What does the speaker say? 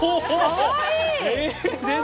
かわいい！